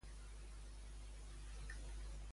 Cicne va castigar Tenes?